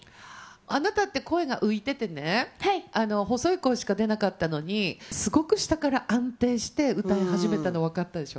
あなたって声が浮いててね、細い声しか出なかったのに、すごく下から安定して歌い始めたの分かったでしょ？